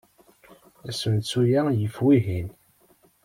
Asensu-a yif wihin.